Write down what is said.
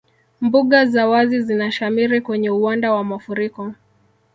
Mbuga za wazi zinashamiri kwenye uwanda wa mafuriko